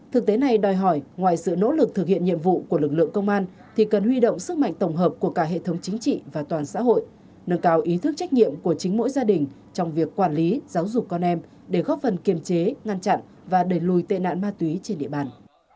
thực tế này đòi hỏi ngoài sự nỗ lực thực hiện nhiệm vụ của lực lượng công an thì cần huy động sức mạnh tổng hợp của cả hệ thống chính trị và toàn xã hội nâng cao ý thức trách nhiệm của chính mỗi gia đình trong việc quản lý giáo dục con em để góp phần kiềm chế ngăn chặn và đẩy lùi tệ nạn ma túy trên địa bàn